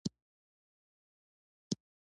اوبزین معدنونه د افغانستان د سیلګرۍ برخه ده.